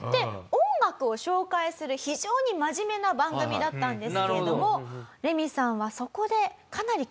音楽を紹介する非常に真面目な番組だったんですけれどもレミさんはそこでかなり。